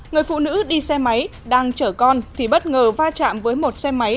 người phụ nữ đi xe máy đang chở con thì bất ngờ va chạm với một xe máy